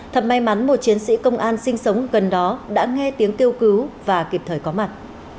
thật may mắn một chiến sĩ công an sinh sống gần đó đã nghe tiếng kêu cứu và kịp thời có mặt